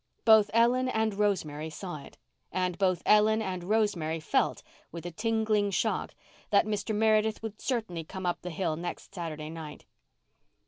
Both Ellen and Rosemary saw it; and both Ellen and Rosemary felt, with a tingling shock, that Mr. Meredith would certainly come up the hill next Saturday night.